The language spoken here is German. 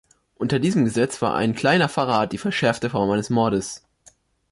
Unter diesem Gesetz war ein kleiner Verrat die verschärfte Form eines Mordes.